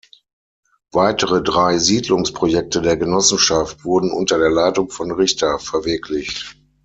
Weitere drei Siedlungsprojekte der Genossenschaft wurden unter der Leitung von Richter verwirklicht.